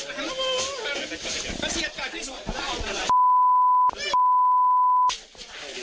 แค้นเหล็กเอาไว้บอกว่ากะจะฟาดลูกชายให้ตายเลยนะ